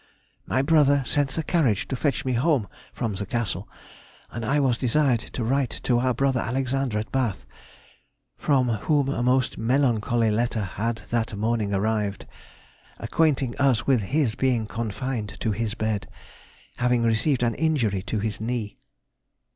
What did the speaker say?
_—My brother sent the carriage to fetch me home [from the Castle], and I was desired to write to our brother Alexander at Bath, from whom a most melancholy letter had that morning arrived, acquainting us with his being confined to his bed, having received an injury to his knee.